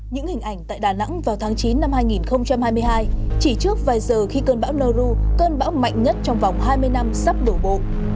những hình ảnh tại đà nẵng vào tháng chín năm hai nghìn hai mươi hai chỉ trước vài giờ khi cơn bão nauru cơn bão mạnh nhất trong vòng hai mươi năm sắp đổ bộ